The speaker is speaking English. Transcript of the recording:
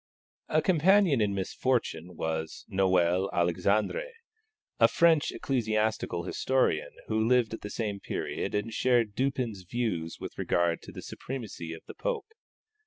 A companion in misfortune was Noel Alexandre, a French ecclesiastical historian who lived at the same period and shared Dupin's views with regard to the supremacy of the Pope.